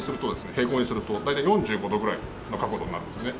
平行にすると大体４５度ぐらいの角度になるんですね。